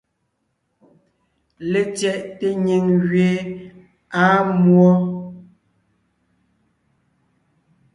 LetsyɛꞋte nyìŋ gẅie àa múɔ.